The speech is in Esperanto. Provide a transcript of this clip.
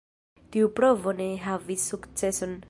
Tiu provo ne havis sukceson.